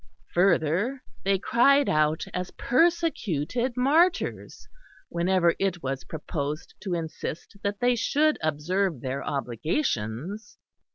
Further, they cried out as persecuted martyrs whenever it was proposed to insist that they should observe their obligations.